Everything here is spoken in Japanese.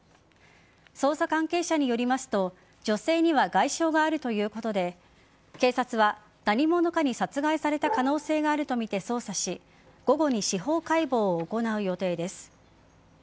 捜査関係者によりますと女性には外傷があるということで警察は何者かに殺害された可能性があるとみて捜査し午後に司法解剖を行う予定です。